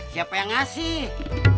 siapa yang ngasih